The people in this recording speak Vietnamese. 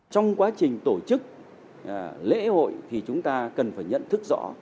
trong quá trình tổ chức lễ hội thì chúng ta cần phải nhận thức rõ